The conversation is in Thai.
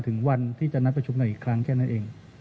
ถึงวันที่จะนัดประชุมกันอีกครั้งแค่นั้นเอง